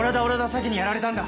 詐欺にやられたんだ。